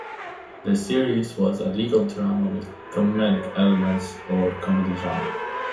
The series was a legal drama with comedic elements, or a comedy-drama.